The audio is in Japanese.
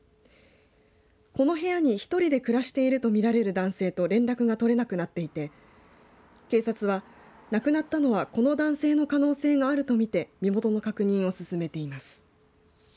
この部屋に１人で暮らしていると見られる男性と連絡が取れなくなっていて警察は亡くなったのはこの男性の可能性があると見て身元の確認を進めています。